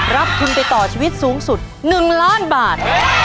รับทุนไปต่อชีวิตสูงสุด๑ล้านบาท